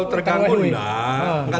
kata terganggu enggak